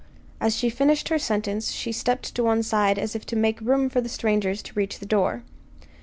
As she finished her sentence she stepped one side as if to make room for the strangers to reach the door.